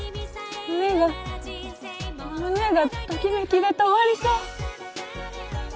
胸が胸がときめきで止まりそう！